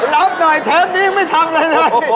รับหน่อยเทปนี้ไม่ทำอะไรเลย